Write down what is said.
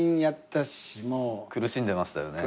苦しんでましたよね？